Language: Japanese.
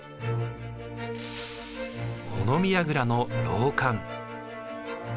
物見やぐらの楼観。